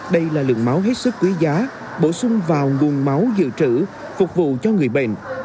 đây là lượng máu hết sức quý giá bổ sung vào nguồn máu dự trữ phục vụ cho người bệnh